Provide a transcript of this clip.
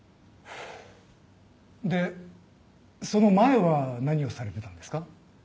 でその前は何をされてたんですか？